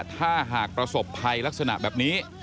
ถ้าหากประสบภัยลักษณะแบบนี้